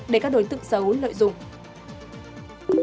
để các đối tượng xấu lợi dụng